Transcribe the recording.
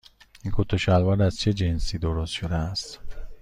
این کت و شلوار از چه جنسی درست شده است؟